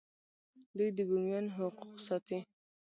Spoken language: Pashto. دوی د بومیانو حقوق ساتي.